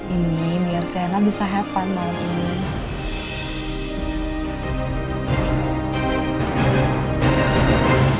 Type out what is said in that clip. ini biar siana bisa have fun malam ini